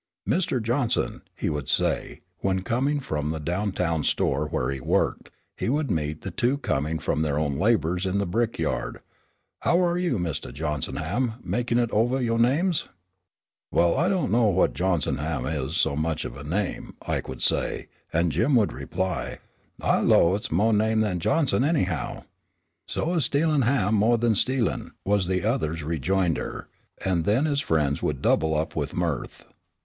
"Mr. Johnson," he would say, when, coming from the down town store where he worked, he would meet the two coming from their own labors in the brickyard, "how are you an' Mistah Johnsonham mekin' it ovah yo' names?" "Well, I don' know that Johnsonham is so much of a name," Ike would say; and Jim would reply: "I 'low it's mo' name than Johnson, anyhow." "So is stealin' ham mo' than stealin'," was the other's rejoinder, and then his friends would double up with mirth.